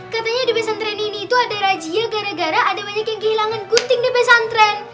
katanya di pesantren ini itu ada razia gara gara ada banyak yang kehilangan gunting di pesantren